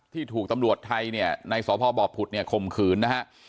ที่ถูกตำรวจไทยในสตร์ภาวบอบพุธคมขืนนะครับ